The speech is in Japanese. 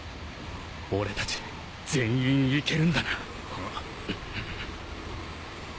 俺たち全員行けるんだな。